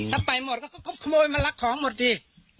ถ้าไปหมดก็ขโมยมารักของหมดดิ